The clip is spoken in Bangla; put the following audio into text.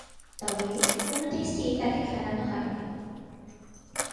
তবে, কোন টেস্টেই তাকে খেলানো হয়নি।